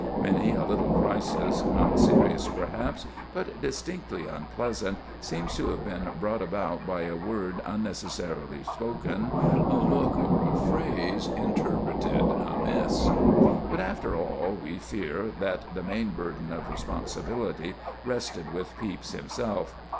Many a little crisis, not serious perhaps, but distinctly unpleasant, seems to have been brought about by a word unnecessarily spoken, a look or a phrase interpreted amiss. But, after all, we fear that the main burden of responsibility rested with Pepys himself.